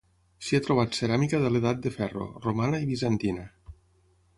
S'hi ha trobat ceràmica de l'Edat de Ferro, romana i bizantina.